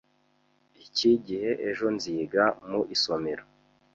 Iki gihe ejo nziga mu isomero